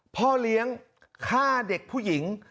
พ่อเลี้ยงฆ่าเด็กผู้หญิง